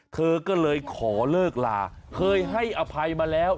เธอก็เลยขอเลิกลาเคยให้อภัยมาแล้ว